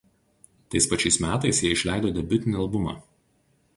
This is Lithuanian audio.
Tais pačiais metais jie išleido debiutinį albumą.